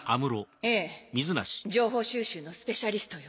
ええ情報収集のスペシャリストよ。